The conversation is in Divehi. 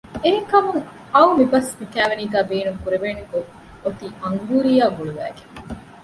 އެހެން ކަމުން އައު މިބަސް މިކައިވެނީގައި ބޭނުންކުރެވެން އޮތީ އަންގޫރީއާ ގުޅުވައިގެން